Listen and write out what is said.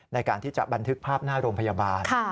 ในการที่จะบันทึกภาพหน้าโรงพยาบาล